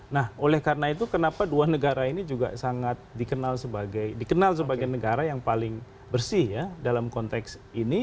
nah oleh karena itu kenapa dua negara ini juga sangat dikenal sebagai dikenal sebagai negara yang paling bersih ya dalam konteks ini